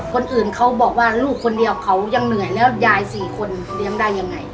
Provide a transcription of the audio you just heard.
คนอื่นเขาบอกว่าลูกคนเดียวเขายังเหนื่อยแล้วยาย๔คนเลี้ยงได้ยังไง